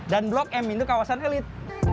dan blok m itu kawasan elit